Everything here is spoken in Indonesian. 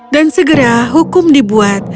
dan segera hukum dibuat